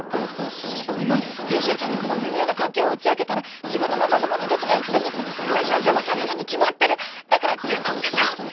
今編集長にこの微妙な関係を打ち明けたら「仕事もまともにできないくせに」って恋路を邪魔されるに決まってるだから潤之介さん！